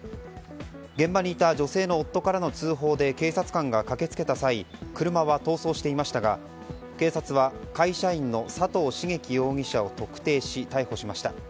現場にいた女性の夫からの通報で警察官が駆け付けた際車は逃走していましたが警察は会社員の佐藤茂樹容疑者を特定し、逮捕しました。